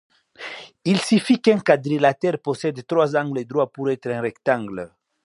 Il suffit qu'un quadrilatère possède trois angles droits pour être un rectangle.